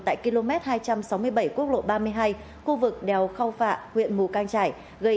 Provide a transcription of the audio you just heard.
tại km hai trăm sáu mươi bảy quốc lộ ba mươi hai khu vực đèo cao phạ huyện mù cang trải